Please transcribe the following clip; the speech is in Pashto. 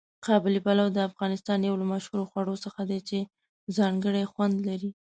قابلي پلو د افغانستان یو له مشهورو خواړو څخه دی چې ځانګړی خوند لري.